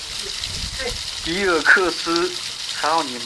迪尔克里克镇区为美国堪萨斯州菲利普斯县辖下的镇区。